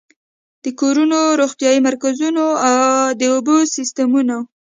د کورونو، روغتيايي مرکزونو، د اوبو سيستمونو